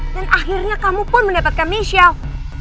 dan akhirnya kamu pun mendapatkan michelle